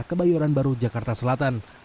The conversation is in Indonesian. kebayoran baru jakarta selatan